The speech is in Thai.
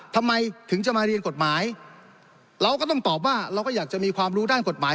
ทำไมถึงจะมาเรียนกฎหมายเราก็ต้องตอบว่าเราก็อยากจะมีความรู้ด้านกฎหมาย